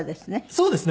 そうですね。